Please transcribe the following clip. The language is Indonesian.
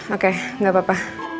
oke gak apa apa